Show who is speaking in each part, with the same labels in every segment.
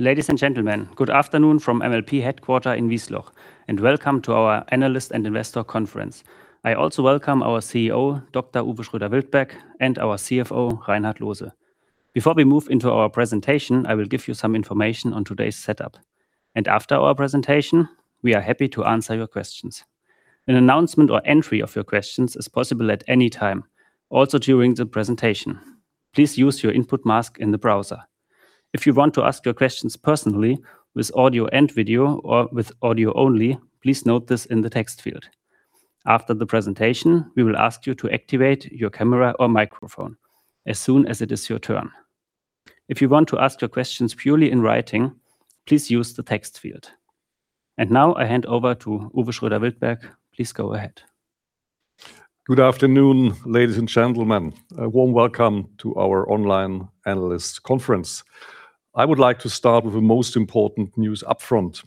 Speaker 1: Ladies and gentlemen, good afternoon from MLP headquarters in Wiesloch, and welcome to our Analyst and Investor Conference. I also welcome our CEO, Dr. Uwe Schroeder-Wildberg, and our CFO, Reinhard Lohse. Before we move into our presentation, I will give you some information on today's setup. After our presentation, we are happy to answer your questions. An announcement or entry of your questions is possible at any time, also during the presentation. Please use your input mask in the browser. If you want to ask your questions personally with audio and video or with audio only, please note this in the text field. After the presentation, we will ask you to activate your camera or microphone as soon as it is your turn. If you want to ask your questions purely in writing, please use the text field. Now I hand over to Uwe Schroeder-Wildberg. Please go ahead.
Speaker 2: Good afternoon, ladies and gentlemen. A warm welcome to our online analyst conference. I would like to start with the most important news upfront.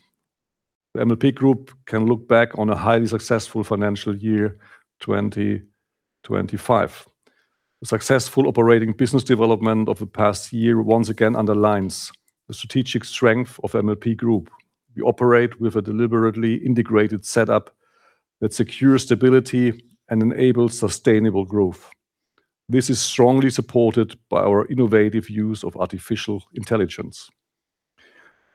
Speaker 2: The MLP Group can look back on a highly successful financial year 2025. A successful operating business development of the past year once again underlines the strategic strength of MLP Group. We operate with a deliberately integrated setup that secures stability and enables sustainable growth. This is strongly supported by our innovative use of artificial intelligence.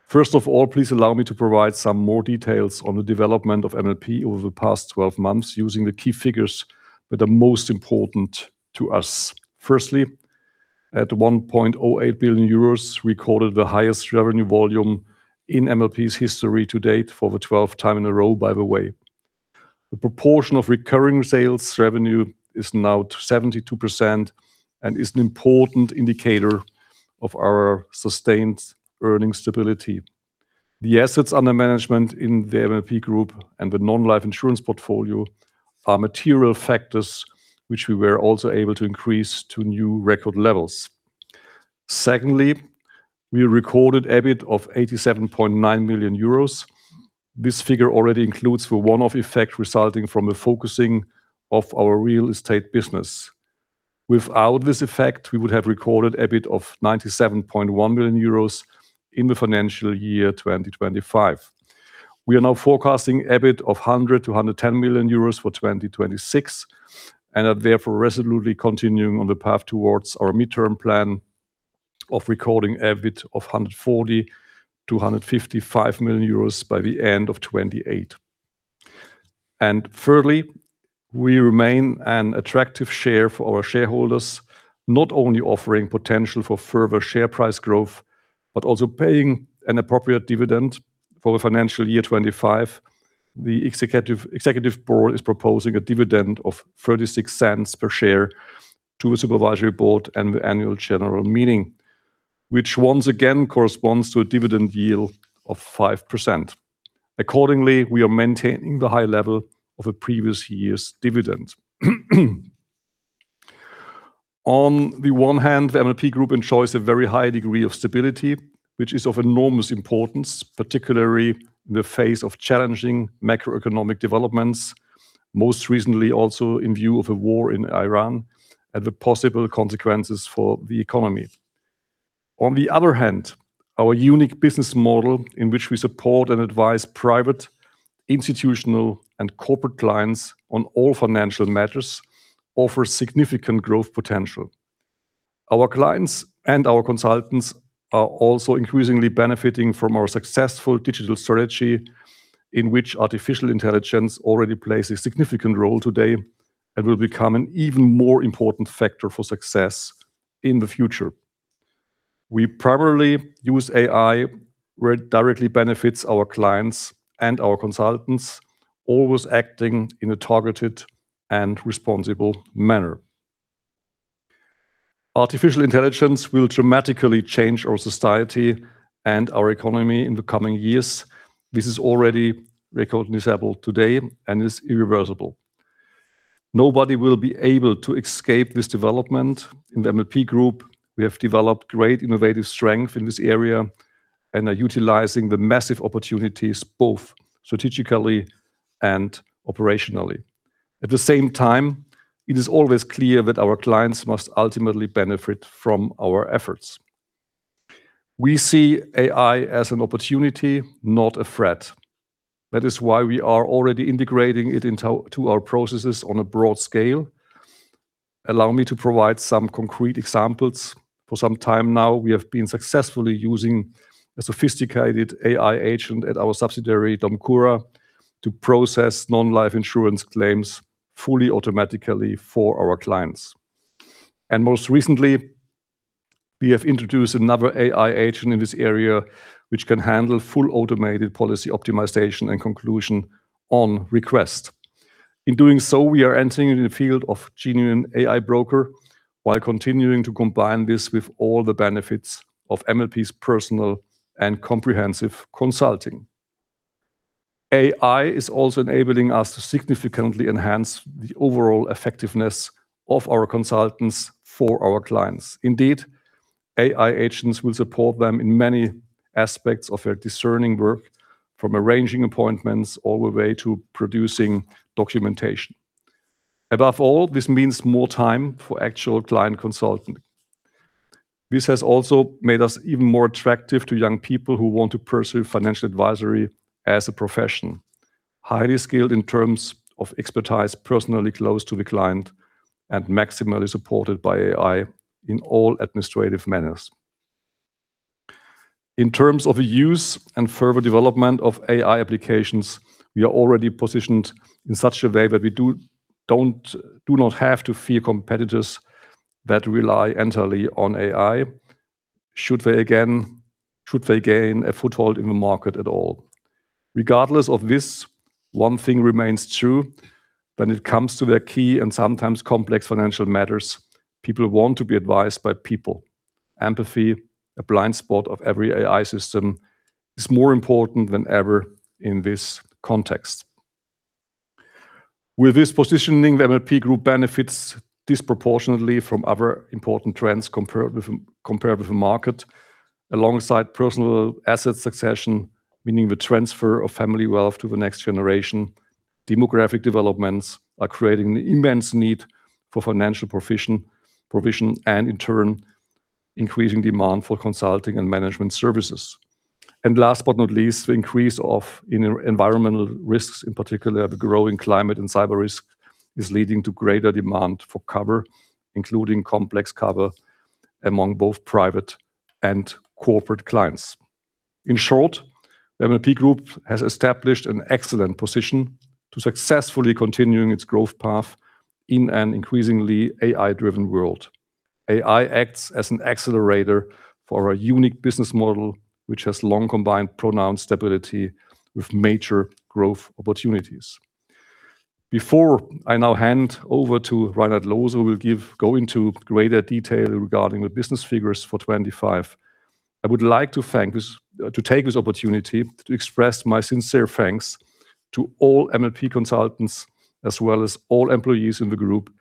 Speaker 2: First of all, please allow me to provide some more details on the development of MLP over the past twelve months, using the key figures that are most important to us. Firstly, at 1.08 billion euros, we recorded the highest revenue volume in MLP's history to date for the twelfth time in a row, by the way. The proportion of recurring sales revenue is now 72% and is an important indicator of our sustained earnings stability. The assets under management in the MLP Group and the non-life insurance portfolio are material factors which we were also able to increase to new record levels. Secondly, we recorded EBIT of 87.9 million euros. This figure already includes the one-off effect resulting from the focusing of our real estate business. Without this effect, we would have recorded EBIT of 97.1 million euros in the financial year 2025. We are now forecasting EBIT of 100-110 million euros for 2026, and are therefore resolutely continuing on the path towards our midterm plan of recording EBIT of 140-155 million euros by the end of 2028. Thirdly, we remain an attractive share for our shareholders, not only offering potential for further share price growth, but also paying an appropriate dividend for the financial year 2025. The Executive Board is proposing a dividend of 0.36 per share to Supervisory Board and the annual general meeting, which once again corresponds to a dividend yield of 5%. Accordingly, we are maintaining the high level of a previous year's dividend. On the one hand, the MLP Group enjoys a very high degree of stability, which is of enormous importance, particularly in the face of challenging macroeconomic developments. Most recently also in view of the war in Ukraine and the possible consequences for the economy. On the other hand, our unique business model in which we support and advise private, institutional, and corporate clients on all financial matters, offers significant growth potential. Our clients and our consultants are also increasingly benefiting from our successful digital strategy, in which artificial intelligence already plays a significant role today, and will become an even more important factor for success in the future. We primarily use AI where it directly benefits our clients and our consultants, always acting in a targeted and responsible manner. Artificial intelligence will dramatically change our society and our economy in the coming years. This is already recognizable today and is irreversible. Nobody will be able to escape this development. In the MLP Group, we have developed great innovative strength in this area and are utilizing the massive opportunities both strategically and operationally. At the same time, it is always clear that our clients must ultimately benefit from our efforts. We see AI as an opportunity, not a threat. That is why we are already integrating it into our processes on a broad scale. Allow me to provide some concrete examples. For some time now, we have been successfully using a sophisticated AI agent at our subsidiary, Domcura, to process non-life insurance claims fully automatically for our clients. Most recently, we have introduced another AI agent in this area, which can handle full automated policy optimization and conclusion on request. In doing so, we are entering in the field of genuine AI broker while continuing to combine this with all the benefits of MLP's personal and comprehensive consulting. AI is also enabling us to significantly enhance the overall effectiveness of our consultants for our clients. Indeed, AI agents will support them in many aspects of their discerning work, from arranging appointments all the way to producing documentation. Above all, this means more time for actual client consulting. This has also made us even more attractive to young people who want to pursue financial advisory as a profession. Highly skilled in terms of expertise, personally close to the client, and maximally supported by AI in all administrative manners. In terms of use and further development of AI applications, we are already positioned in such a way that we do not have to fear competitors that rely entirely on AI, should they gain a foothold in the market at all. Regardless of this, one thing remains true when it comes to their key and sometimes complex financial matters, people want to be advised by people. Empathy, a blind spot of every AI system, is more important than ever in this context. With this positioning, the MLP Group benefits disproportionately from other important trends compared with the market. Alongside personal asset succession, meaning the transfer of family wealth to the next generation, demographic developments are creating an immense need for financial provision and in turn, increasing demand for consulting and management services. Last but not least, the increase of environmental risks, in particular the growing climate and cyber risk, is leading to greater demand for cover, including complex cover among both private and corporate clients. In short, the MLP Group has established an excellent position to successfully continuing its growth path in an increasingly AI-driven world. AI acts as an accelerator for a unique business model, which has long combined pronounced stability with major growth opportunities. Before I now hand over to Reinhard Loose, who will go into greater detail regarding the business figures for 25, I would like to take this opportunity to express my sincere thanks to all MLP consultants as well as all employees in the group.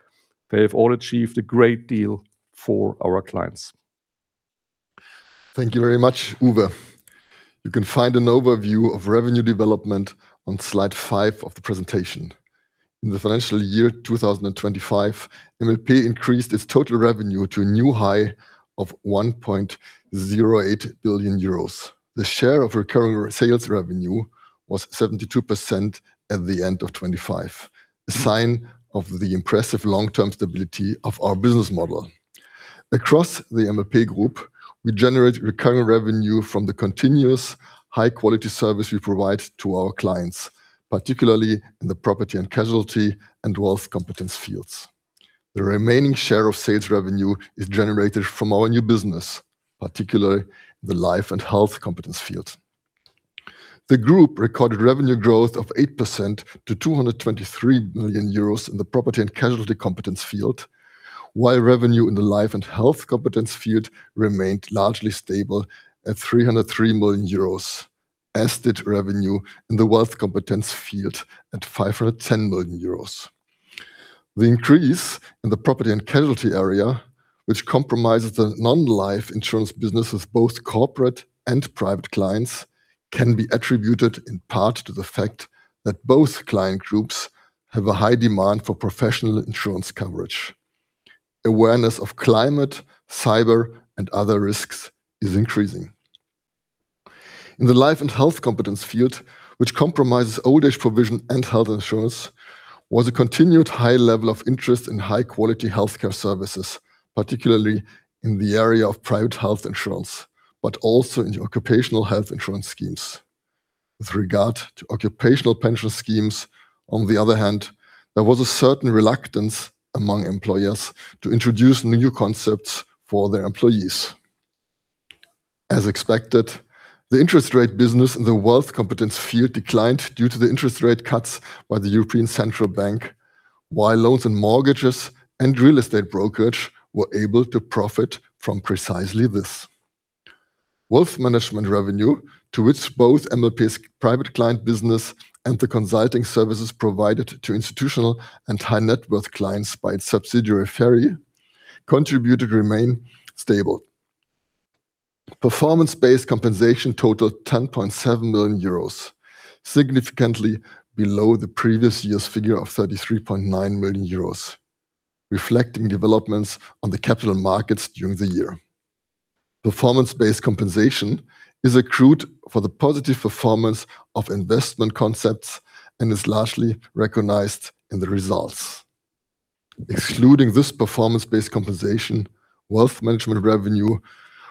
Speaker 2: They have all achieved a great deal for our clients.
Speaker 3: Thank you very much, Uwe. You can find an overview of revenue development on slide 5 of the presentation. In the financial year 2025, MLP increased its total revenue to a new high of 1.08 billion euros. The share of recurring sales revenue was 72% at the end of 2025, a sign of the impressive long-term stability of our business model. Across the MLP Group, we generate recurring revenue from the continuous high-quality service we provide to our clients, particularly in the property and casualty and wealth competence fields. The remaining share of sales revenue is generated from our new business, particularly the life and health competence fields. The group recorded revenue growth of 8% to 223 million euros in the property and casualty competence field, while revenue in the life and health competence field remained largely stable at 303 million euros, as did revenue in the wealth competence field at 510 million euros. The increase in the property and casualty area, which comprises the non-life insurance business with both corporate and private clients, can be attributed in part to the fact that both client groups have a high demand for professional insurance coverage. Awareness of climate, cyber, and other risks is increasing. In the life and health competence field, which comprises old age provision and health insurance, there was a continued high level of interest in high-quality healthcare services, particularly in the area of private health insurance, but also in occupational health insurance schemes. With regard to occupational pension schemes, on the other hand, there was a certain reluctance among employers to introduce new concepts for their employees. As expected, the interest rate business in the wealth competence field declined due to the interest rate cuts by the European Central Bank, while loans and mortgages and real estate brokerage were able to profit from precisely this. Wealth management revenue, to which both MLP's private client business and the consulting services provided to institutional and high-net-worth clients by its subsidiary, FERI, contributed, remain stable. Performance-based compensation totaled 10.7 million euros, significantly below the previous year's figure of 33.9 million euros, reflecting developments on the capital markets during the year. Performance-based compensation is accrued for the positive performance of investment concepts and is largely recognized in the results. Excluding this performance-based compensation, wealth management revenue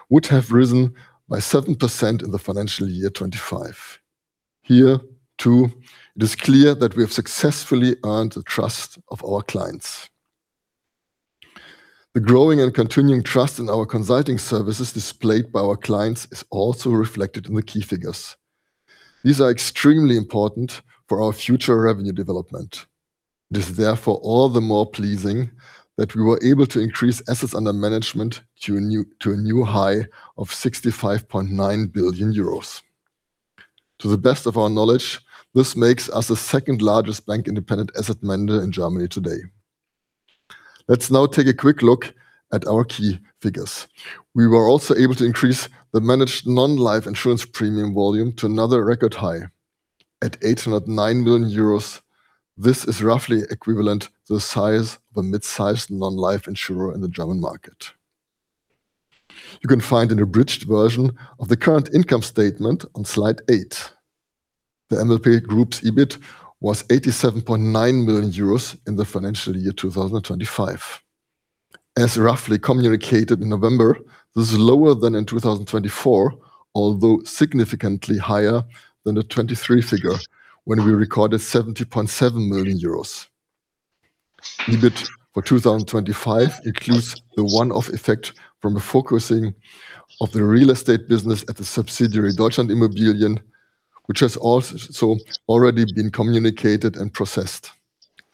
Speaker 3: would have risen by 7% in the financial year 25. Here, too, it is clear that we have successfully earned the trust of our clients. The growing and continuing trust in our consulting services displayed by our clients is also reflected in the key figures. These are extremely important for our future revenue development. It is therefore all the more pleasing that we were able to increase assets under management to a new high of 65.9 billion euros. To the best of our knowledge, this makes us the second largest bank-independent asset manager in Germany today. Let's now take a quick look at our key figures. We were also able to increase the managed non-life insurance premium volume to another record high at 809 million euros. This is roughly equivalent to the size of a mid-sized non-life insurer in the German market. You can find an abridged version of the current income statement on slide 8. The MLP Group's EBIT was 87.9 million euros in the financial year 2025. As roughly communicated in November, this is lower than in 2024, although significantly higher than the 2023 figure when we recorded 70.7 million euros. EBIT for 2025 includes the one-off effect from a focusing of the real estate business at the subsidiary, Deutschland.Immobilien, which has also already been communicated and processed,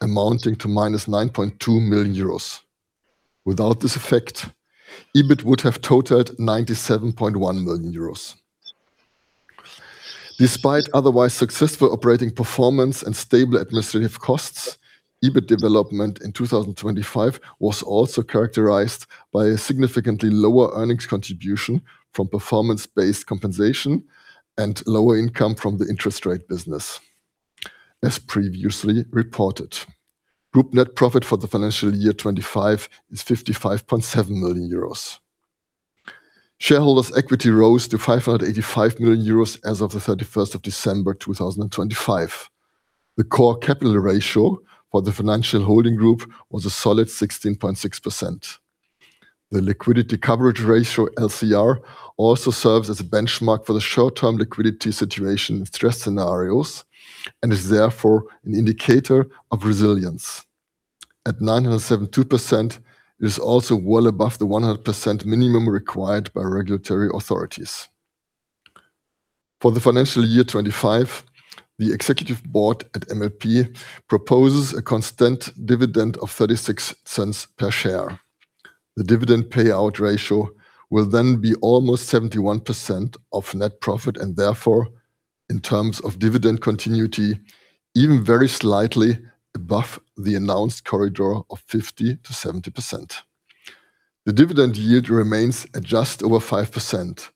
Speaker 3: amounting to -9.2 million euros. Without this effect, EBIT would have totaled 97.1 million euros. Despite otherwise successful operating performance and stable administrative costs, EBIT development in 2025 was also characterized by a significantly lower earnings contribution from performance-based compensation and lower income from the interest rate business, as previously reported. Group net profit for the financial year 25 is 55.7 million euros. Shareholders' equity rose to 585 million euros as of the 31st of December 2025. The core capital ratio for the financial holding group was a solid 16.6%. The liquidity coverage ratio, LCR, also serves as a benchmark for the short-term liquidity in stress scenarios and is therefore an indicator of resilience. At 972%, it is also well above the 100% minimum required by regulatory authorities. For the financial year 2025, the executive board at MLP proposes a constant dividend of 0.36 per share. The dividend payout ratio will then be almost 71% of net profit and therefore, in terms of dividend continuity, even very slightly above the announced corridor of 50%-70%. The dividend yield remains at just over 5%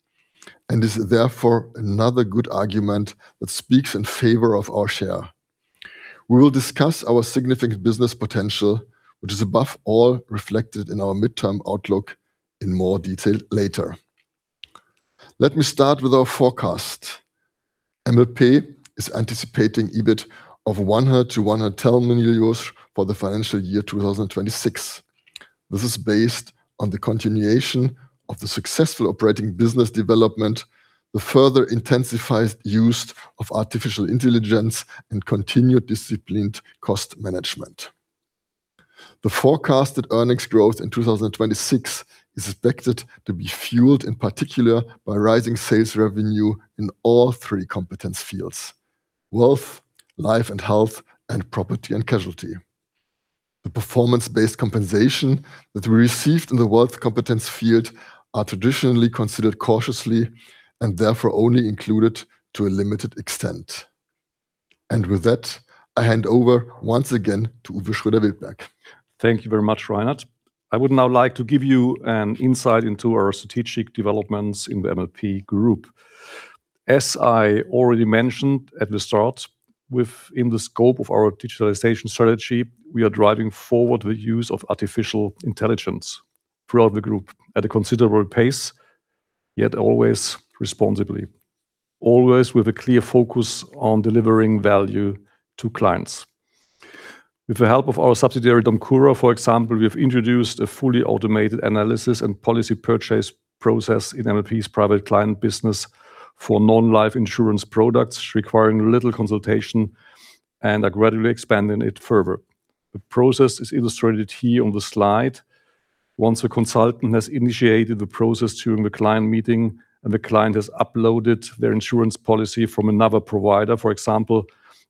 Speaker 3: and is therefore another good argument that speaks in favor of our share. We will discuss our significant business potential, which is above all reflected in our midterm outlook in more detail later. Let me start with our forecast. MLP is anticipating EBIT of 100 million-110 million euros for the financial year 2026. This is based on the continuation of the successful operating business development, the further intensified use of artificial intelligence, and continued disciplined cost management. The forecasted earnings growth in 2026 is expected to be fueled in particular by rising sales revenue in all three competence fields, wealth, life, and health, and property and casualty. The performance-based compensation that we received in the wealth competence field are traditionally considered cautiously and therefore only included to a limited extent. With that, I hand over once again to Uwe Schroeder-Wildberg.
Speaker 2: Thank you very much, Reinhard. I would now like to give you an insight into our strategic developments in the MLP Group. As I already mentioned at the start, within the scope of our digitalization strategy, we are driving forward the use of artificial intelligence throughout the group at a considerable pace, yet always responsibly, always with a clear focus on delivering value to clients. With the help of our subsidiary, Domcura, for example, we have introduced a fully automated analysis and policy purchase process in MLP's private client business for non-life insurance products requiring little consultation and are gradually expanding it further. The process is illustrated here on the slide. Once a consultant has initiated the process during the client meeting and the client has uploaded their insurance policy from another provider, for example,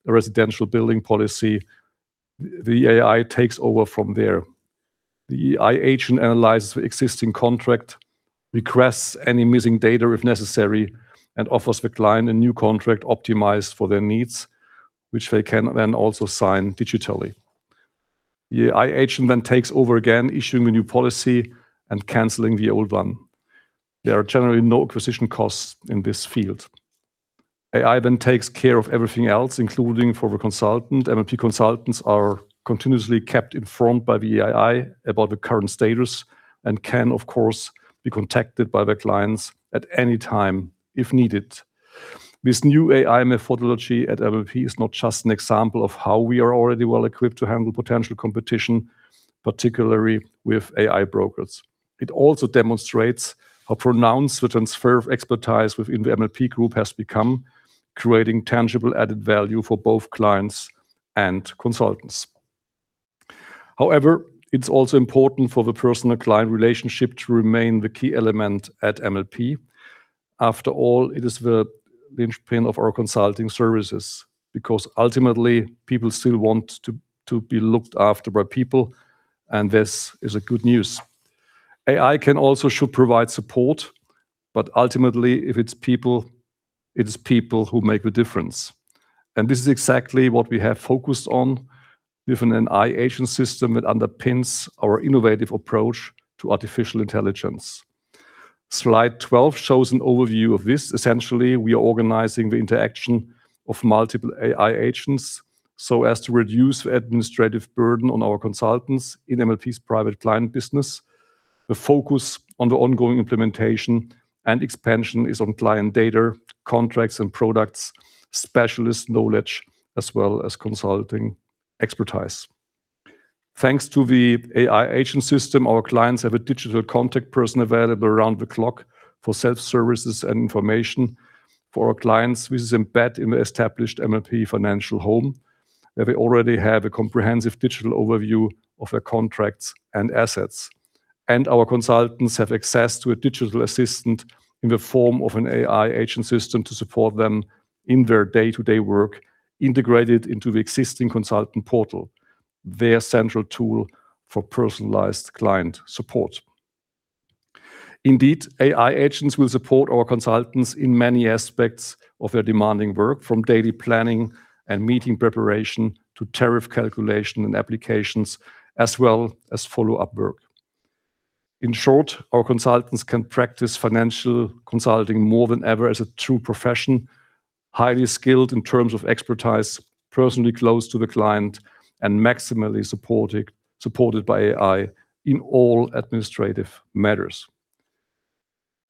Speaker 2: a residential building policy, the AI takes over from there. The AI agent analyzes the existing contract, requests any missing data if necessary, and offers the client a new contract optimized for their needs, which they can then also sign digitally. The AI agent then takes over again, issuing the new policy and canceling the old one. There are generally no acquisition costs in this field. AI then takes care of everything else, including for the consultant. MLP consultants are continuously kept informed by the AI about the current status and can, of course, be contacted by their clients at any time if needed. This new AI methodology at MLP is not just an example of how we are already well-equipped to handle potential competition, particularly with AI brokers. It also demonstrates how pronounced the transfer of expertise within the MLP Group has become, creating tangible added value for both clients and consultants. However, it's also important for the personal client relationship to remain the key element at MLP. After all, it is the linchpin of our consulting services, because ultimately people still want to be looked after by people, and this is good news. AI can also provide support, but ultimately, if it's people, it is people who make the difference. This is exactly what we have focused on with an AI agent system that underpins our innovative approach to artificial intelligence. Slide 12 shows an overview of this. Essentially, we are organizing the interaction of multiple AI agents so as to reduce administrative burden on our consultants in MLP's private client business. The focus on the ongoing implementation and expansion is on client data, contracts and products, specialist knowledge, as well as consulting expertise. Thanks to the AI agent system, our clients have a digital contact person available around the clock for self-services and information for our clients, which is embedded in the established MLP Financial Home, where they already have a comprehensive digital overview of their contracts and assets. Our consultants have access to a digital assistant in the form of an AI agent system to support them in their day-to-day work, integrated into the existing consultant portal, their central tool for personalized client support. Indeed, AI agents will support our consultants in many aspects of their demanding work, from daily planning and meeting preparation to tariff calculation and applications, as well as follow-up work. In short, our consultants can practice financial consulting more than ever as a true profession, highly skilled in terms of expertise, personally close to the client, and maximally supported by AI in all administrative matters.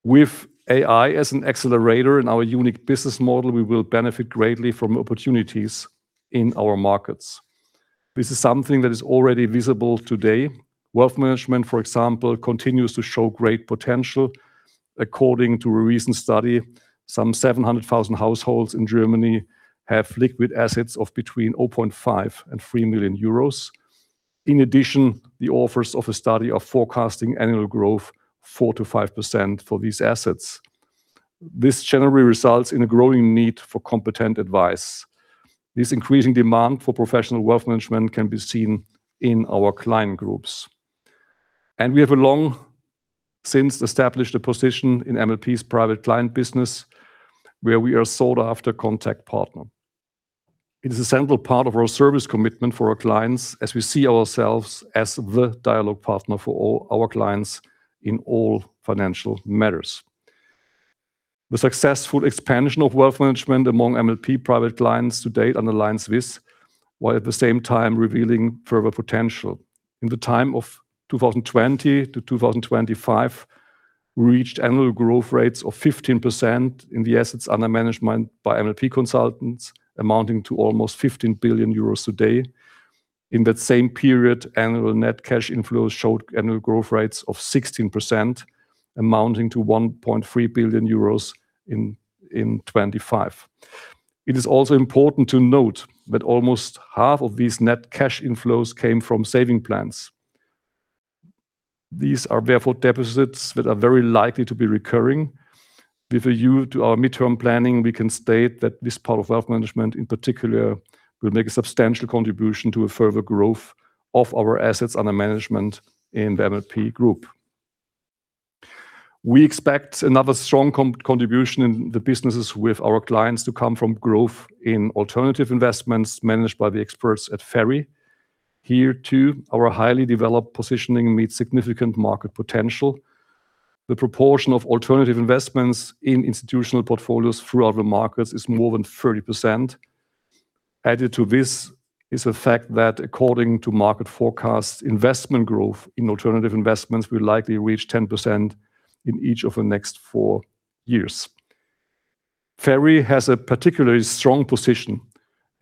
Speaker 2: With AI as an accelerator in our unique business model, we will benefit greatly from opportunities in our markets. This is something that is already visible today. Wealth management, for example, continues to show great potential. According to a recent study, some 700,000 households in Germany have liquid assets of between 0.5 million and 3 million euros. In addition, the authors of a study are forecasting annual growth 4%-5% for these assets. This generally results in a growing need for competent advice. This increasing demand for professional wealth management can be seen in our client groups. We have a long since established a position in MLP's private client business where we are sought after contact partner. It is a central part of our service commitment for our clients as we see ourselves as the dialogue partner for all our clients in all financial matters. The successful expansion of wealth management among MLP private clients to date underlines this, while at the same time revealing further potential. In the time of 2020 to 2025, we reached annual growth rates of 15% in the assets under management by MLP consultants, amounting to almost 15 billion euros today. In that same period, annual net cash inflows showed annual growth rates of 16%, amounting to 1.3 billion euros in 2025. It is also important to note that almost half of these net cash inflows came from saving plans. These are therefore deposits that are very likely to be recurring. With a view to our midterm planning, we can state that this part of wealth management in particular will make a substantial contribution to a further growth of our assets under management in the MLP Group. We expect another strong contribution in the businesses with our clients to come from growth in alternative investments managed by the experts at FERI. Here too, our highly developed positioning meets significant market potential. The proportion of alternative investments in institutional portfolios throughout the markets is more than 30%. Added to this is the fact that according to market forecasts, investment growth in alternative investments will likely reach 10% in each of the next four years. FERI has a particularly strong position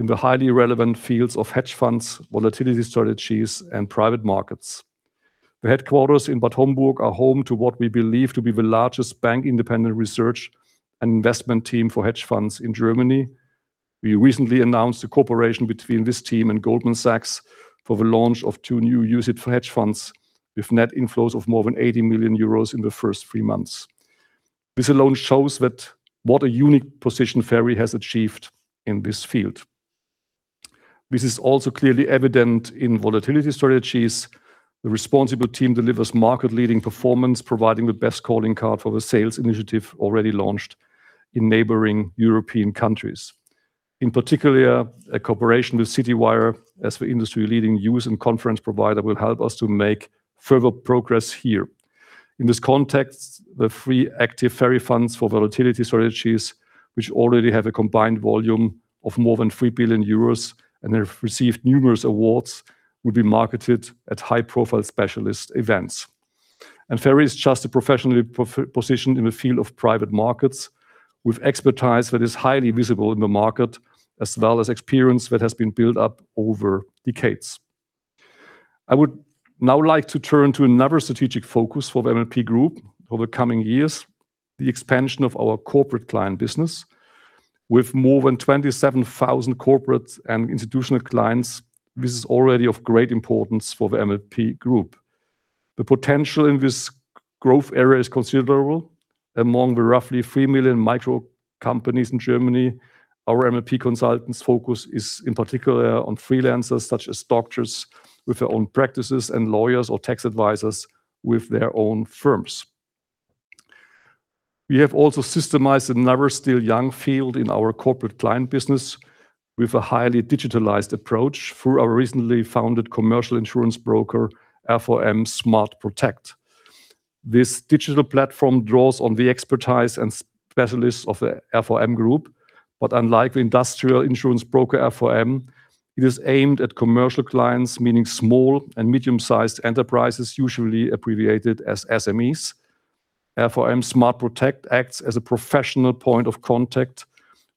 Speaker 2: in the highly relevant fields of hedge funds, volatility strategies, and private markets. The headquarters in Bad Homburg are home to what we believe to be the largest bank-independent research and investment team for hedge funds in Germany. We recently announced a cooperation between this team and Goldman Sachs for the launch of two new UCITS hedge funds with net inflows of more than 80 million euros in the first three months. This alone shows what a unique position FERI has achieved in this field. This is also clearly evident in volatility strategies. The responsible team delivers market-leading performance, providing the best calling card for the sales initiative already launched in neighboring European countries. In particular, a cooperation with Citywire as the industry-leading news and conference provider will help us to make further progress here. In this context, the three active FERI funds for volatility strategies, which already have a combined volume of more than 3 billion euros and have received numerous awards, will be marketed at high-profile specialist events. FERI is just a professionally positioned in the field of private markets with expertise that is highly visible in the market as well as experience that has been built up over decades. I would now like to turn to another strategic focus for the MLP Group over the coming years, the expansion of our corporate client business. With more than 27,000 corporate and institutional clients, this is already of great importance for the MLP Group. The potential in this growth area is considerable. Among the roughly 3 million micro companies in Germany, our MLP consultants' focus is in particular on freelancers such as doctors with their own practices and lawyers or tax advisors with their own firms. We have also systematized another still young field in our corporate client business with a highly digitized approach through our recently founded commercial insurance broker, RVM Smart Protect. This digital platform draws on the expertise and specialists of the RVM Group, but unlike the industrial insurance broker FOM, it is aimed at commercial clients, meaning small and medium-sized enterprises, usually abbreviated as SMEs. RVM Smart Protect acts as a professional point of contact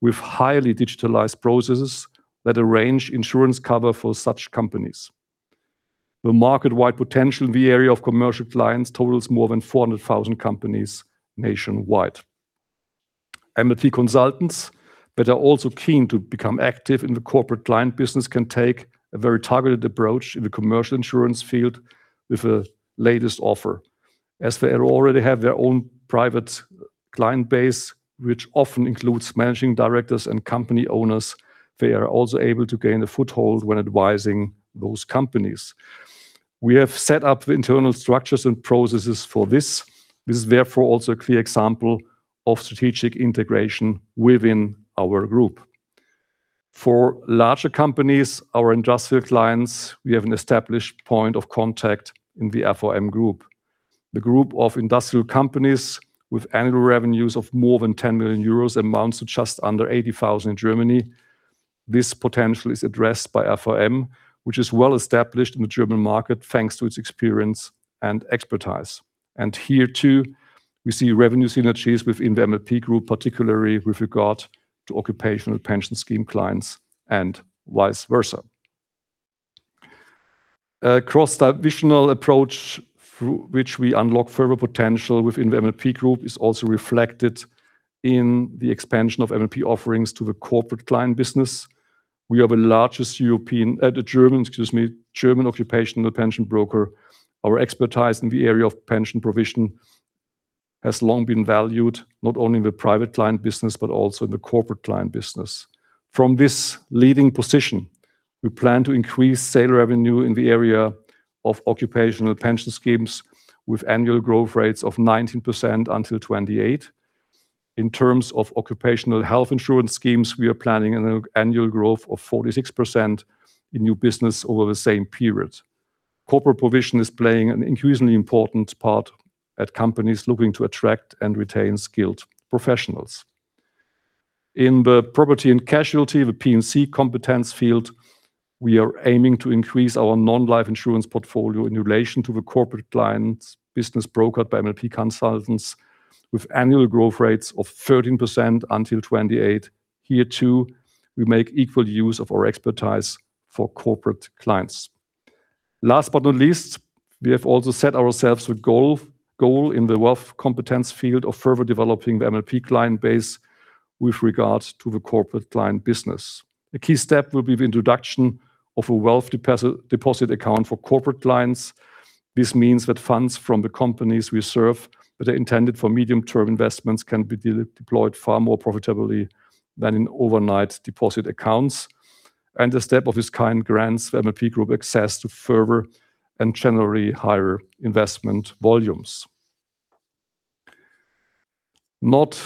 Speaker 2: with highly digitized processes that arrange insurance cover for such companies. The market-wide potential in the area of commercial clients totals more than 400,000 companies nationwide. MLP consultants that are also keen to become active in the corporate client business can take a very targeted approach in the commercial insurance field with the latest offer. As they already have their own private client base, which often includes managing directors and company owners, they are also able to gain a foothold when advising those companies. We have set up the internal structures and processes for this. This is therefore also a clear example of strategic integration within our group. For larger companies, our industrial clients, we have an established point of contact in the RVM Group. The group of industrial companies with annual revenues of more than 10 million euros amounts to just under 80,000 in Germany. This potential is addressed by RVM, which is well established in the German market, thanks to its experience and expertise. Here too, we see revenue synergies within the MLP Group, particularly with regard to occupational pension scheme clients and vice versa. A cross-divisional approach through which we unlock further potential within the MLP Group is also reflected in the expansion of MLP offerings to the corporate client business. We are the largest German occupational pension broker. Our expertise in the area of pension provision has long been valued not only in the private client business, but also in the corporate client business. From this leading position, we plan to increase sales revenue in the area of occupational pension schemes with annual growth rates of 19% until 2028. In terms of occupational health insurance schemes, we are planning an annual growth of 46% in new business over the same period. Corporate provision is playing an increasingly important part at companies looking to attract and retain skilled professionals. In the property and casualty, the P&C competence field, we are aiming to increase our non-life insurance portfolio in relation to the corporate clients business brokered by MLP consultants with annual growth rates of 13% until 2028. Here too, we make equal use of our expertise for corporate clients. Last but not least, we have also set ourselves a goal in the wealth competence field of further developing the MLP client base with regards to the corporate client business. A key step will be the introduction of a wealth deposit account for corporate clients. This means that funds from the companies we serve that are intended for medium-term investments can be redeployed far more profitably than in overnight deposit accounts. A step of this kind grants MLP Group access to further and generally higher investment volumes. Not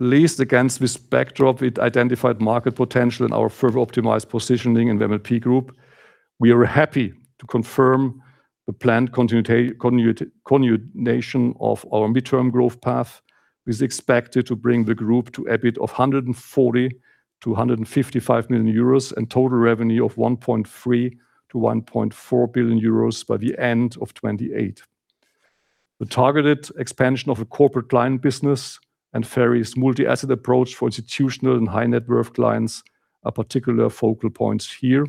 Speaker 2: least against this backdrop, it identified market potential in our further optimized positioning in the MLP Group. We are happy to confirm the planned continuation of our midterm growth path, which is expected to bring the group to EBIT of 140 million-155 million euros and total revenue of 1.3 billion-1.4 billion euros by the end of 2028. The targeted expansion of the corporate client business and various multi-asset approach for institutional and high net worth clients are particular focal points here.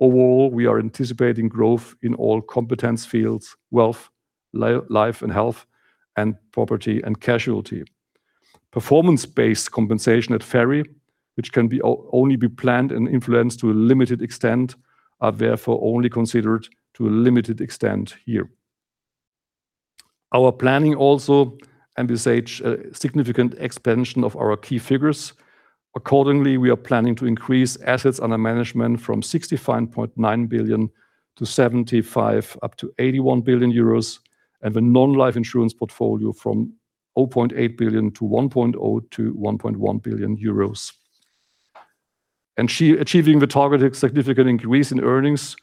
Speaker 2: Overall, we are anticipating growth in all competence fields, wealth, life and health, and property and casualty. Performance-based compensation at FERI, which can be only be planned and influenced to a limited extent, are therefore only considered to a limited extent here. Our planning also envisage a significant expansion of our key figures. Accordingly, we are planning to increase assets under management from 65.9 billion to 75 billion up to 81 billion euros, and the non-life insurance portfolio from 0.8 billion to 1.0 billion to 1.1 billion euros. Achieving the targeted significant increase in earnings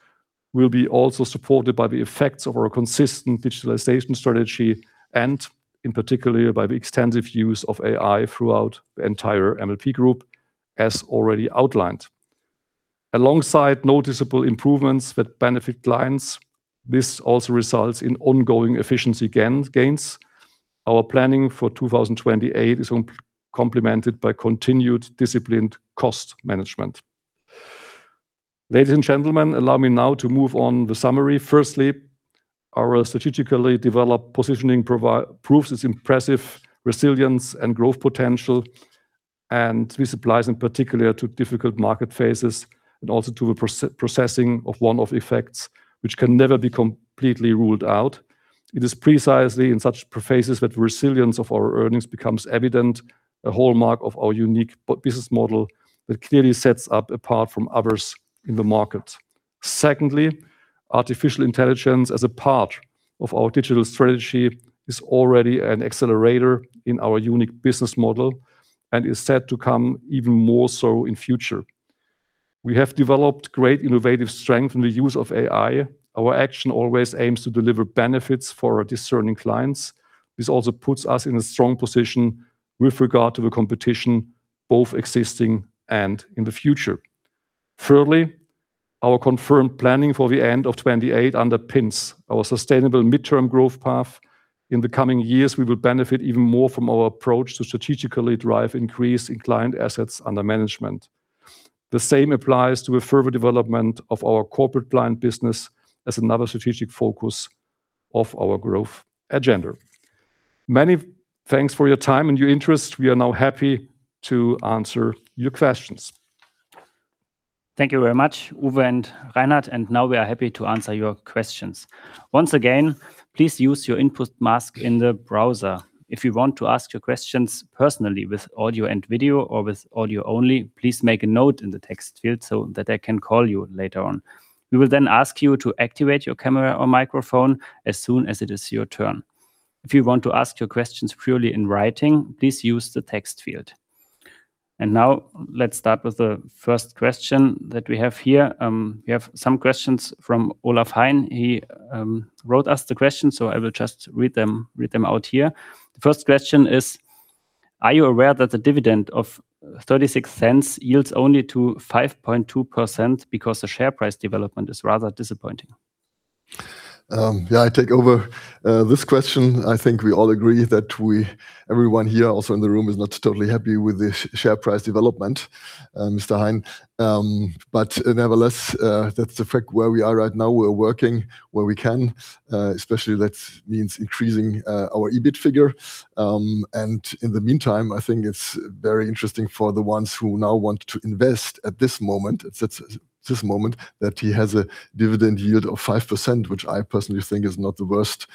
Speaker 2: will be also supported by the effects of our consistent digitalization strategy and in particular by the extensive use of AI throughout the entire MLP Group, as already outlined. Alongside noticeable improvements that benefit clients, this also results in ongoing efficiency gains. Our planning for 2028 is complemented by continued disciplined cost management. Ladies and gentlemen, allow me now to move on to the summary. Firstly, our strategically developed positioning proves its impressive resilience and growth potential. This applies in particular to difficult market phases and also to the processing of one-off effects which can never be completely ruled out. It is precisely in such phases that resilience of our earnings becomes evident, a hallmark of our unique business model that clearly sets us apart from others in the market. Secondly, artificial intelligence as a part of our digital strategy is already an accelerator in our unique business model and is set to come even more so in future. We have developed great innovative strength in the use of AI. Our action always aims to deliver benefits for our discerning clients. This also puts us in a strong position with regard to the competition, both existing and in the future. Thirdly, our confirmed planning for the end of 2028 underpins our sustainable midterm growth path. In the coming years, we will benefit even more from our approach to strategically drive increase in client assets under management. The same applies to a further development of our corporate client business as another strategic focus of our growth agenda. Many thanks for your time and your interest. We are now happy to answer your questions.
Speaker 1: Thank you very much, Uwe and Reinhard, and now we are happy to answer your questions. Once again, please use your input mask in the browser. If you want to ask your questions personally with audio and video or with audio only, please make a note in the text field so that I can call you later on. We will then ask you to activate your camera or microphone as soon as it is your turn. If you want to ask your questions purely in writing, please use the text field. Now let's start with the first question that we have here. We have some questions from Olaf Hein. He wrote us the questions, so I will just read them out here. The first question is: Are you aware that the dividend of 0.36 yields only to 5.2% because the share price development is rather disappointing?
Speaker 3: Yeah, I take over this question. I think we all agree that everyone here, also in the room, is not totally happy with the share price development, Mr. Hein. Nevertheless, that's the fact where we are right now. We're working where we can, especially that means increasing our EBIT figure. In the meantime, I think it's very interesting for the ones who now want to invest at this moment, it's this moment, that he has a dividend yield of 5%, which I personally think is not the worst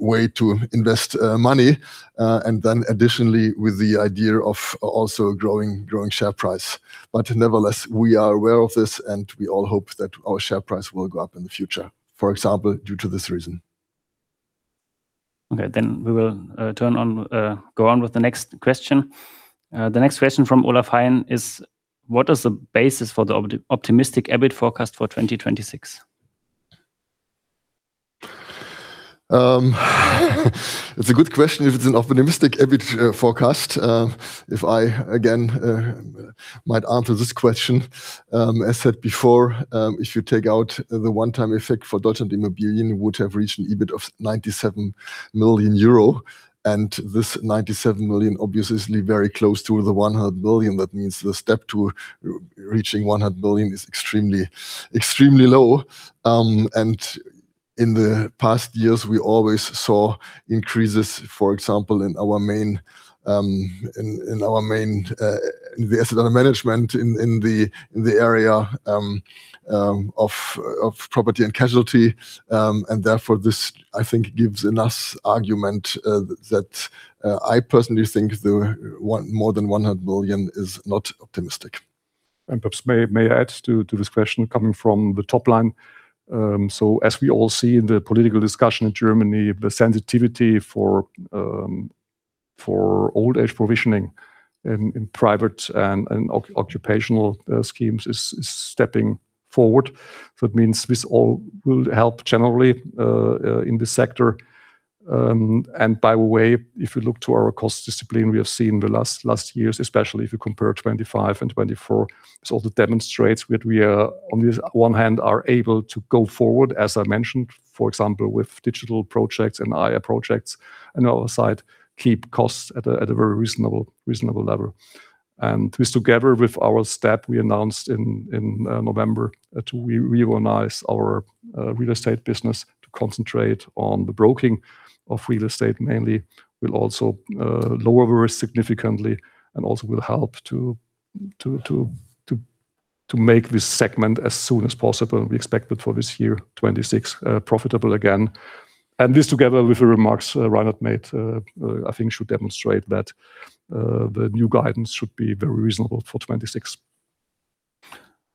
Speaker 3: way to invest money, and then additionally, with the idea of also growing share price. Nevertheless, we are aware of this, and we all hope that our share price will go up in the future, for example, due to this reason.
Speaker 1: Okay, we will go on with the next question. The next question from Olaf Hein is: What is the basis for the optimistic EBIT forecast for 2026?
Speaker 3: It's a good question if it's an optimistic EBIT forecast. If I, again, might answer this question. As said before, if you take out the one-time effect for Deutschland.Immobilien would have reached an EBIT of 97 million euro, and this 97 million obviously is very close to the 100 million. That means the step to reaching 100 million is extremely low. In the past years, we always saw increases, for example, in our main in the asset under management in the area of property and casualty. Therefore, this I think gives enough argument that I personally think more than 100 million is not optimistic.
Speaker 2: Perhaps may I add to this question coming from the top line. As we all see in the political discussion in Germany, the sensitivity for old age provisioning in private and occupational schemes is stepping forward. That means this all will help generally in this sector. By the way, if you look to our cost discipline, we have seen the last years, especially if you compare 2025 and 2024. It demonstrates that we are on the one hand able to go forward, as I mentioned, for example, with digital projects and AI projects, and on the other side, keep costs at a very reasonable level. This together with our step we announced in November to reorganize our real estate business to concentrate on the broking of real estate mainly will also lower risk significantly and also will help to make this segment as soon as possible. We expect that for this year, 2026, profitable again. This together with the remarks Reinhard made, I think should demonstrate that the new guidance should be very reasonable for 2026.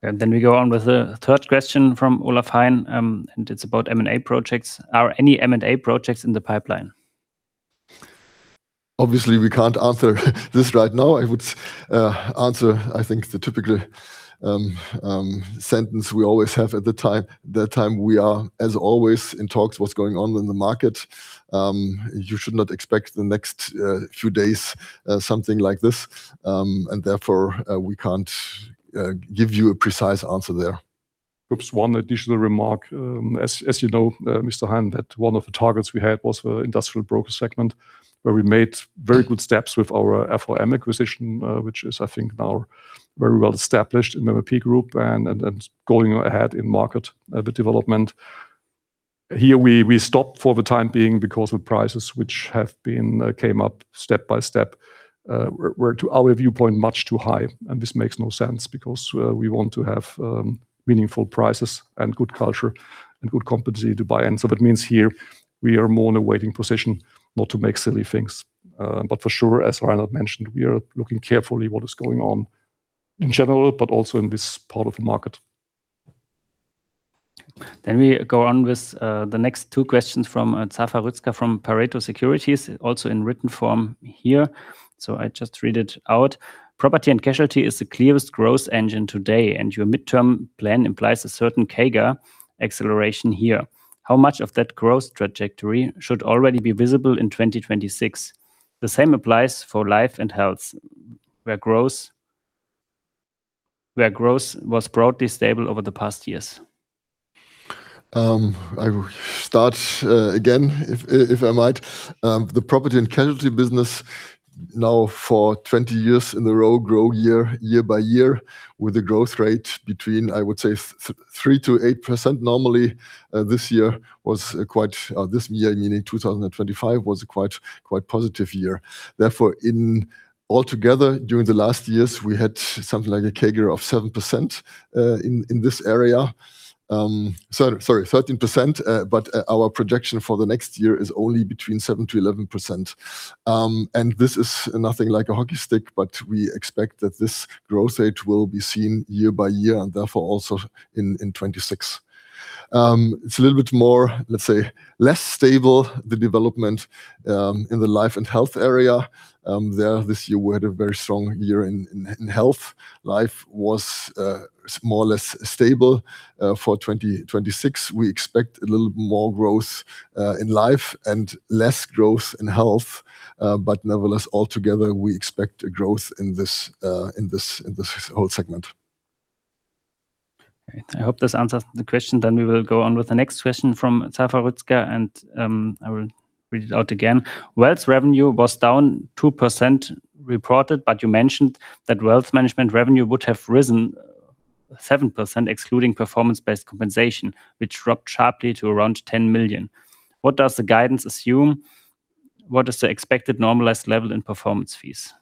Speaker 1: We go on with the third question from Olaf Hein, and it's about M&A projects. Are any M&A projects in the pipeline?
Speaker 3: Obviously, we can't answer this right now. I would answer, I think, the typical sentence we always have at the time. The time we are, as always, in talks what's going on in the market. You should not expect the next few days something like this. Therefore, we can't give you a precise answer there.
Speaker 2: Oops, one additional remark. As you know, Mr. Hein, that one of the targets we had was for industrial broker segment, where we made very good steps with our RVM acquisition, which is, I think, now very well established in MLP Group and going ahead in market development. Here we stopped for the time being because of prices, which have come up step by step, were to our viewpoint much too high. This makes no sense because we want to have meaningful prices and good culture and good competency to buy in. That means here we are more in a waiting position not to make silly things. But for sure, as Reinhard mentioned, we are looking carefully what is going on in general, but also in this part of the market.
Speaker 1: We go on with the next two questions from Zafer Rüzgar from Pareto Securities, also in written form here. I just read it out. Property and casualty is the clearest growth engine today, and your midterm plan implies a certain CAGR acceleration here. How much of that growth trajectory should already be visible in 2026? The same applies for life and health, where growth was broadly stable over the past years.
Speaker 3: I will start again if I might. The property and casualty business now for 20 years in a row grow year by year with a growth rate between, I would say, 3%-8% normally. This year, meaning 2025, was a quite positive year. Therefore, altogether during the last years, we had something like a CAGR of 7% in this area. Sorry, 13%, but our projection for the next year is only between 7%-11%. This is nothing like a hockey stick, but we expect that this growth rate will be seen year by year and therefore also in 2026. It's a little bit more, let's say, less stable, the development in the life and health area. This year we had a very strong year in health. Life was more or less stable. For 2026, we expect a little more growth in life and less growth in health. Nevertheless, altogether, we expect a growth in this whole segment.
Speaker 1: Great. I hope this answers the question. We will go on with the next question from Zafer Rüzgar, and I will read it out again. Wealth revenue was down 2% reported, but you mentioned that wealth management revenue would have risen 7%, excluding performance-based compensation, which dropped sharply to around 10 million. What does the guidance assume? What is the expected normalized level in performance fees?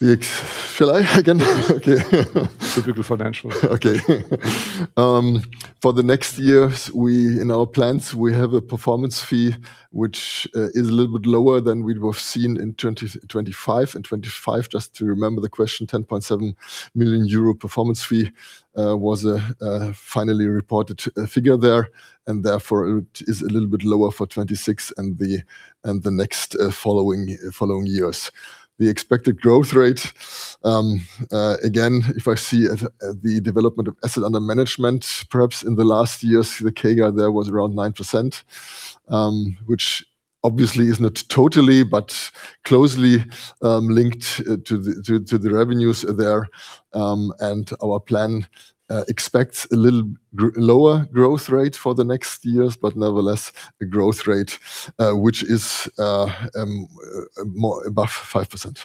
Speaker 3: Shall I again? Okay.
Speaker 2: Typical financial.
Speaker 3: Okay, for the next years, in our plans, we have a performance fee which is a little bit lower than we would have seen in 2025. In 2025, just to remember the question, 10.7 million euro performance fee was a finally reported figure there, and therefore it is a little bit lower for 2026 and the next following years. The expected growth rate, again, if I see at the development of assets under management, perhaps in the last years, the CAGR there was around 9%, which obviously is not totally but closely linked to the revenues there. Our plan expects a little lower growth rate for the next years, but nevertheless a growth rate which is more above 5%.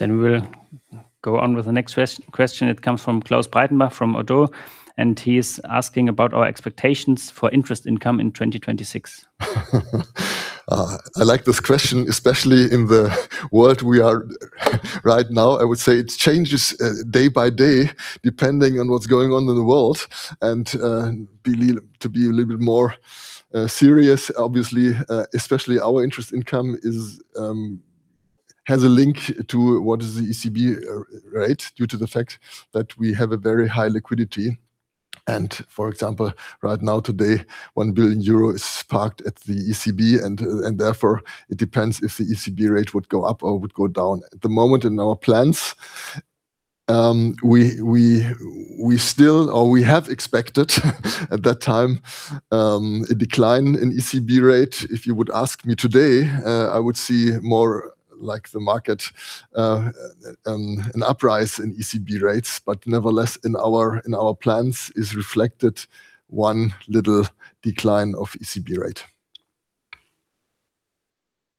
Speaker 1: We will go on with the next question. It comes from Klaus Breitenbach from Oddo BHF, and he is asking about our expectations for interest income in 2026.
Speaker 3: I like this question, especially in the world we are right now. I would say it changes day by day, depending on what's going on in the world. To be a little bit more serious, obviously, especially our interest income has a link to what is the ECB rate due to the fact that we have a very high liquidity. For example, right now, today, 1 billion euro is parked at the ECB, and therefore it depends if the ECB rate would go up or would go down. At the moment in our plans, we still or we have expected at that time a decline in ECB rate. If you would ask me today, I would see more like the market an upside in ECB rates. Nevertheless, in our plans is reflected one little decline of ECB rate.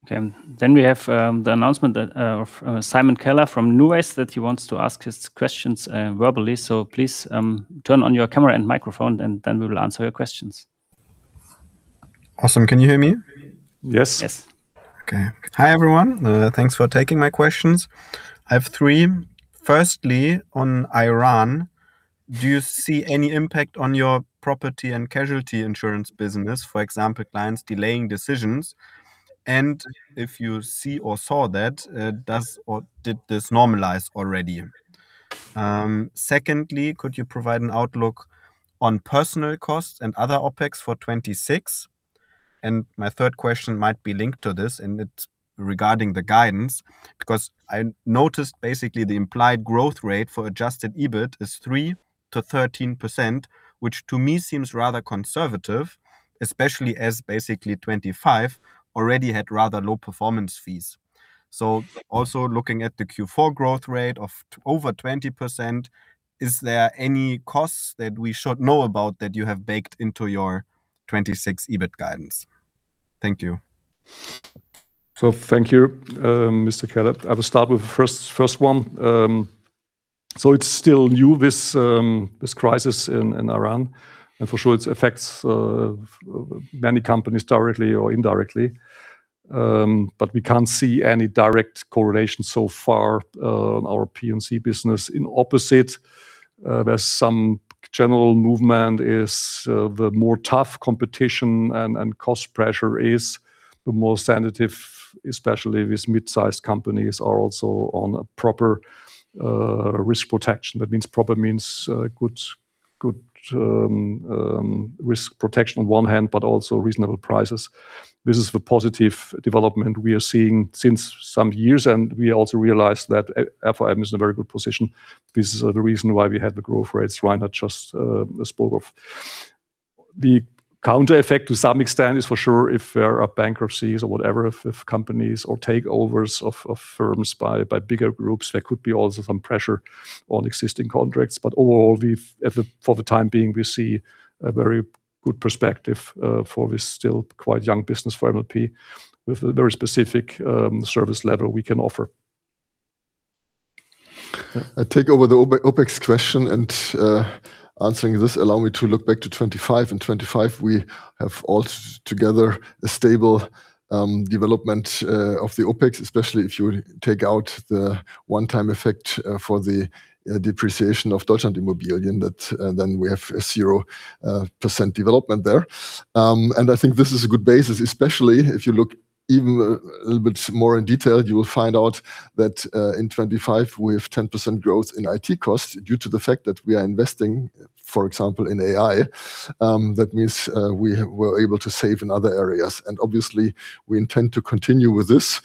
Speaker 1: Okay. We have the announcement of Simon Keller from NuWays that he wants to ask his questions verbally. Please turn on your camera and microphone, and then we will answer your questions.
Speaker 4: Awesome. Can you hear me?
Speaker 2: Yes.
Speaker 1: Yes.
Speaker 4: Okay. Hi, everyone. Thanks for taking my questions. I have three. Firstly, on Ukraine, do you see any impact on your property and casualty insurance business? For example, clients delaying decisions. If you see or saw that, does or did this normalize already? Secondly, could you provide an outlook on personnel costs and other OPEX for 2026? My third question might be linked to this, and it's regarding the guidance, because I noticed basically the implied growth rate for adjusted EBIT is 3%-13%, which to me seems rather conservative, especially as basically 2025 already had rather low performance fees. Also looking at the Q4 growth rate of over 20%, is there any costs that we should know about that you have baked into your 2026 EBIT guidance? Thank you.
Speaker 2: Thank you, Michael Klat. I will start with the first one. It's still new, this crisis in Ukraine, and for sure it affects many companies directly or indirectly. We can't see any direct correlation so far on our P&C business. In opposite, there's some general movement: the more tough competition and cost pressure is the more sensitive, especially with mid-sized companies are also on a proper risk protection. That means proper means good risk protection on one hand, but also reasonable prices. This is the positive development we are seeing since some years, and we also realize that our RVM is in a very good position. This is the reason why we had the growth rates we just spoke of. The counter effect to some extent is for sure if there are bankruptcies or whatever, if companies or takeovers of firms by bigger groups, there could be also some pressure on existing contracts. Overall, for the time being, we see a very good perspective for this still quite young business for MLP with a very specific service level we can offer.
Speaker 3: I take over the OpEx question, and answering this allow me to look back to 2025. In 2025, we have all together a stable development of the OpEx, especially if you take out the one-time effect for the depreciation of Deutschland.Immobilien that then we have a 0% development there. I think this is a good basis, especially if you look even a little bit more in detail, you will find out that in 2025 we have 10% growth in IT costs due to the fact that we are investing, for example, in AI. That means we have we're able to save in other areas. Obviously we intend to continue with this.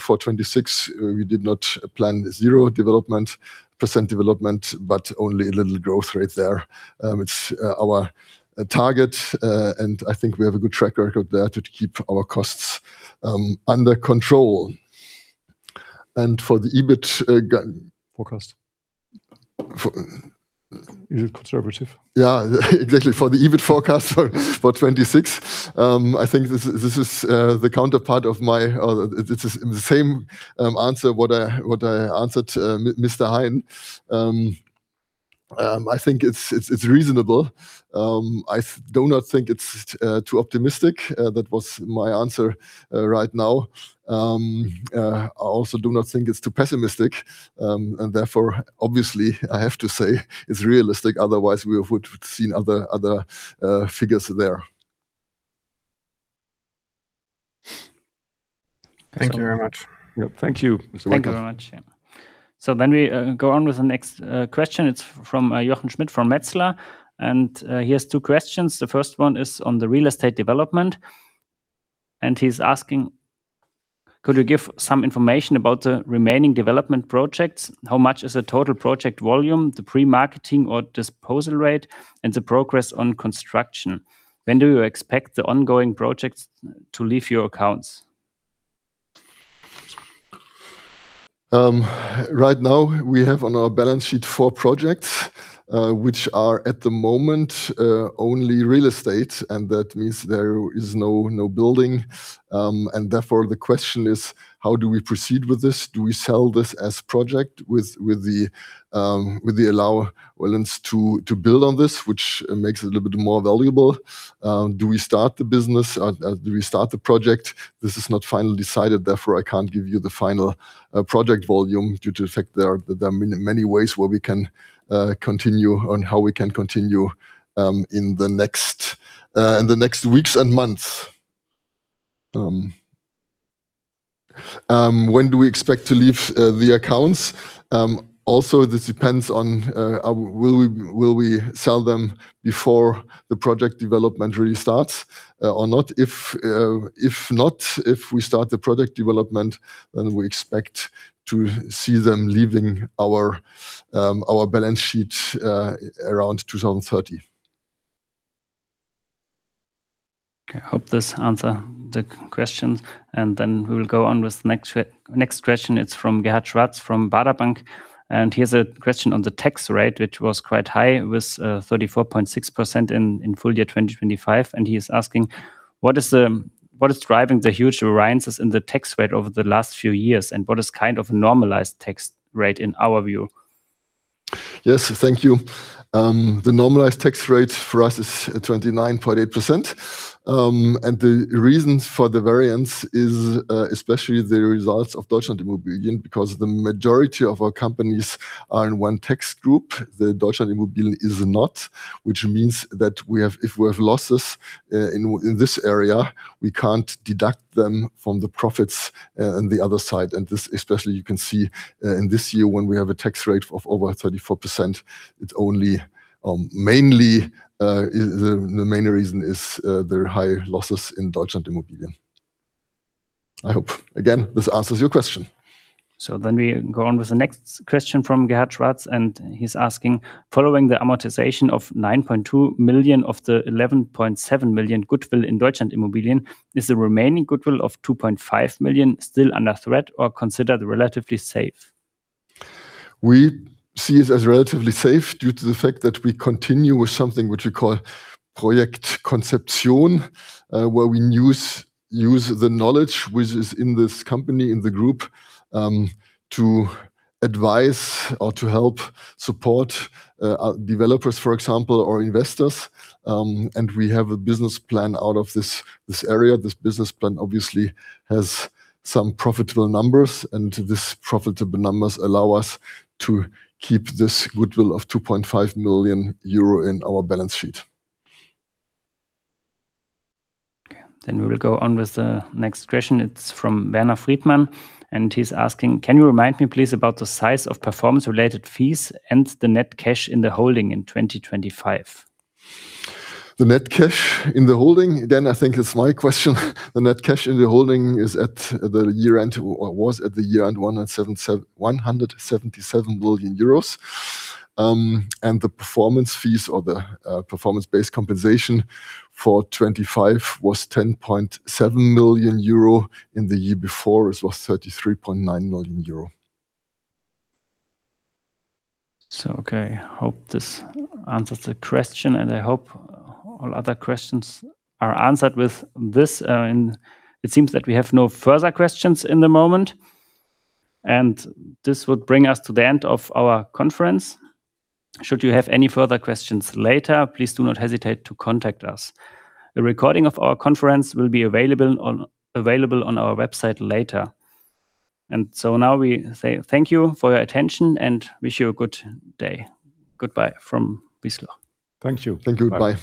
Speaker 3: For 2026, we did not plan 0% development, but only a little growth rate there. It's our target. I think we have a good track record there to keep our costs under control. For the EBIT.
Speaker 2: Forecast.
Speaker 3: F-
Speaker 2: Is it conservative?
Speaker 3: Yeah. Exactly. For the EBIT forecast for 2026, I think this is the counterpart of my or it's the same answer what I answered Mr. Hein. I think it's reasonable. I do not think it's too optimistic. That was my answer right now. I also do not think it's too pessimistic. Therefore, obviously I have to say it's realistic, otherwise we would have seen other figures there.
Speaker 2: Thank you very much.
Speaker 3: Yep. Thank you, Simon Keller.
Speaker 1: Thank you very much. Yeah. We go on with the next question. It's from Jochen Schmitt from Metzler, and he has two questions. The first one is on the real estate development, and he's asking: could you give some information about the remaining development projects? How much is the total project volume, the pre-marketing or disposal rate, and the progress on construction? When do you expect the ongoing projects to leave your accounts?
Speaker 3: Right now we have on our balance sheet four projects, which are at the moment only real estate, and that means there is no building. Therefore the question is how do we proceed with this? Do we sell this as project with the allowance to build on this, which makes it a little bit more valuable? Do we start the business or do we start the project? This is not final decided, therefore I can't give you the final project volume due to the fact there are many ways where we can continue on how we can continue in the next weeks and months. When do we expect to leave the accounts? Also this depends on will we sell them before the project development really starts or not? If not, if we start the project development, then we expect to see them leaving our balance sheet around 2030.
Speaker 1: Okay. I hope this answers the questions, and then we will go on with the next question. It's from Gerhard Schwarz from Baader Bank. He has a question on the tax rate, which was quite high with 34.6% in full year 2025. He is asking: what is driving the huge variances in the tax rate over the last few years? What is kind of normalized tax rate in our view?
Speaker 3: Yes. Thank you. The normalized tax rate for us is 29.8%. The reasons for the variance is especially the results of Deutschland.Immobilien because the majority of our companies are in one tax group. The Deutschland.Immobilien is not, which means that if we have losses in this area, we can't deduct them from the profits on the other side. This especially you can see in this year when we have a tax rate of over 34%, it's only mainly the main reason is there are higher losses in Deutschland.Immobilien. I hope, again, this answers your question.
Speaker 1: We go on with the next question from Gerhard Schwarz, and he's asking: following the amortization of 9.2 million of the 11.7 million goodwill in Deutschland.Immobilien, is the remaining goodwill of 2.5 million still under threat or considered relatively safe?
Speaker 3: We see it as relatively safe due to the fact that we continue with something which we call Projektkonzeption, where we use the knowledge which is in this company, in the group, to advise or to help support developers, for example, or investors. We have a business plan out of this area. This business plan obviously has some profitable numbers, and this profitable numbers allow us to keep this goodwill of 2.5 million euro in our balance sheet.
Speaker 1: Okay. We will go on with the next question. It's from Werner Friedmann, and he's asking: Can you remind me, please, about the size of performance-related fees and the net cash in the holding in 2025?
Speaker 3: The net cash in the holding, then I think it's my question. The net cash in the holding is at the year-end, or was at the year-end 177 billion euros. The performance fees or the performance-based compensation for 2025 was 10.7 million euro. In the year before, it was 33.9 million euro.
Speaker 1: Okay. Hope this answers the question, and I hope all other questions are answered with this. It seems that we have no further questions in the moment, and this would bring us to the end of our conference. Should you have any further questions later, please do not hesitate to contact us. A recording of our conference will be available on our website later. Now we say thank you for your attention and wish you a good day. Goodbye from Wiesloch.
Speaker 2: Thank you.
Speaker 3: Thank you. Bye.